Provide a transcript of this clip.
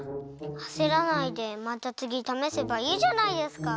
あせらないでまたつぎためせばいいじゃないですか。